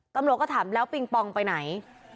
ตำรวจก็ถามแล้วปิงปองไปไหน